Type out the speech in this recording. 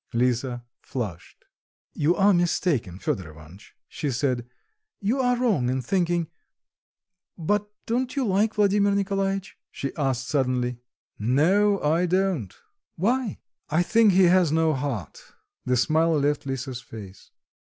Lisa flushed. "You are mistaken, Fedor Ivanitch," she said: "you are wrong in thinking .... But don't you like Vladimir Nikolaitch?" she asked suddenly. "No, I don't." "Why?" "I think he has no heart." The smile left Lisa's face.